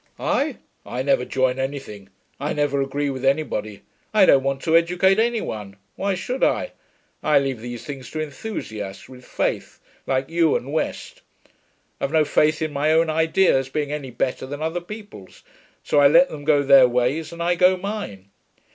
'I? I never join anything. I never agree with anybody. I don't want to educate any one. Why should I? I leave these things to enthusiasts, with faith, like you and West. I've no faith in my own ideas being any better than other people's, so I let them go their ways and I go mine.'